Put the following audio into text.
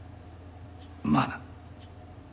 まあな。